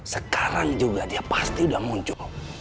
sekarang juga dia pasti sudah muncul